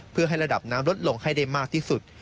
เพื่อให้ระดับน้ำลดลงให้ได้มากที่สุด